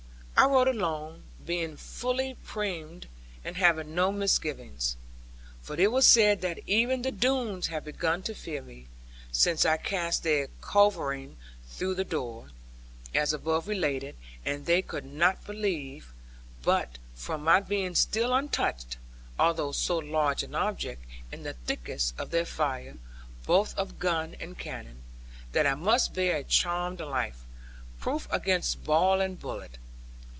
I rode alone, being fully primed, and having no misgivings. For it was said that even the Doones had begun to fear me, since I cast their culverin through the door, as above related; and they could not but believe, from my being still untouched (although so large an object) in the thickest of their fire, both of gun and cannon, that I must bear a charmed life, proof against ball and bullet.